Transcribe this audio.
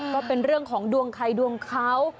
ก็เป็นเรื่องของดวงใครดวงเขา